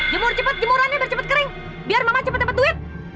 jemur cepet jemurannya biar cepet kering biar mama cepet dapet duit